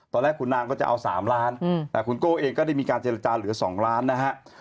ตอนแรกคุณนางก็จะเอา๓ล้านแต่คุณโก้เองก็ได้มีการเจรจาเหลือ๒ล้านนะฮะ